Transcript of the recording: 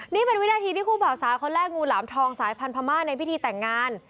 นี่เป็นวินาทีที่คู่บ่าวสาวเขาแลกงูหลามทองสายพันธม่าในพิธีแต่งงาน